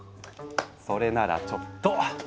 それならちょっと。